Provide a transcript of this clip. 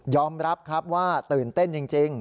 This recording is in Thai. รับครับว่าตื่นเต้นจริง